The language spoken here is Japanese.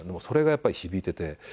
それがやっぱり響いてて。